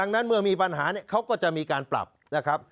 ดังนั้นเมื่อมีปัญหาเนี่ยเขาก็จะมีการปรับนะครับ